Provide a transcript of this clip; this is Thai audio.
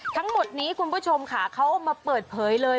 ทั้งหมดนี้คุณผู้ชมค่ะเขาเอามาเปิดเผยเลย